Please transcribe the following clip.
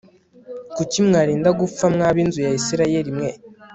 Kuki mwarinda gupfa mwa binzu ya Isirayeli mwe